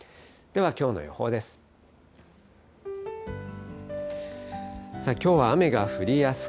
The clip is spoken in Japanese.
では、きょうの予報です。